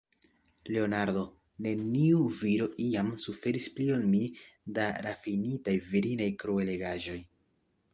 Leonardo, neniu viro iam suferis pli ol mi de rafinitaj virinaj kruelegaĵoj.